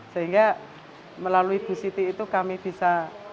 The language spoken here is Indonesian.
sehingga melalui bu siti itu kami bisa